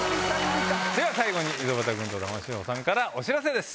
最後に溝端君と玉城さんからお知らせです。